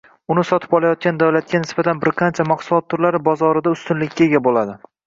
uni sotib olayotgan davlatga nisbatan birqancha mahsulot turlari bozorida ustunlikka ega bo‘ladi.